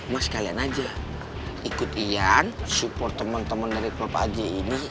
mas kalian aja ikut iyan support temen temen dari klub aj ini